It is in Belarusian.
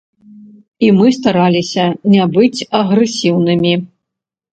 І мы стараліся не быць агрэсіўнымі.